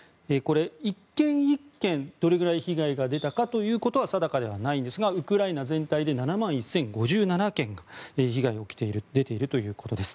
１件１件どれぐらい被害が出たかということは定かではないんですがウクライナ全体で７万１０５７件の被害が出ているということです。